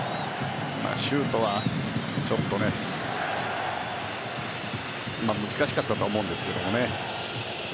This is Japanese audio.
シュートはちょっとねまあ、難しかったとも思うんですけどね。